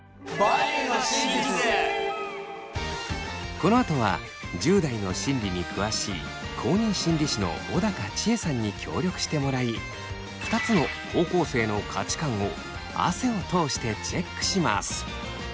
このあとは１０代の心理に詳しい公認心理師の小高千枝さんに協力してもらい２つの高校生の価値観を汗を通してチェックします。